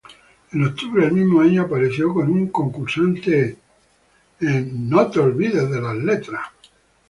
En octubre del mismo año, apareció como un concursante de "Don't Forget the Lyrics!